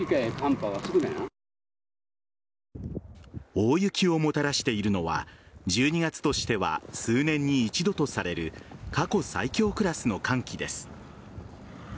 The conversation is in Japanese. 大雪をもたらしているのは１２月としては数年に一度とされる過去最強クラスの寒気です。